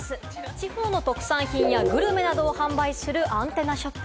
地方の特産品やグルメなどを販売するアンテナショップ。